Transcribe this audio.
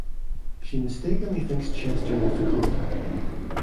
She mistakenly thinks Chester is the contact.